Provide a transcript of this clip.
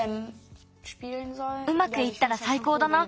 うまくいったらさいこうだな。